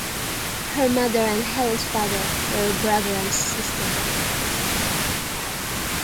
Her mother and Helen's father were brother and sister.